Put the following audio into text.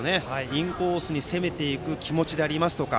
インコースに攻めていく気持ちでありますとか。